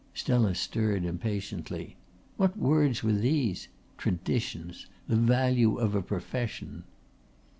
Stella stirred impatiently. What words were these? Traditions! The value of a profession!